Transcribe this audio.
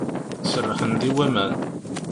Serrḥen-d i waman.